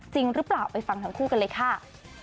จริงหรือเปล่าไปฟังทั้งคู่กันเลยค่ะ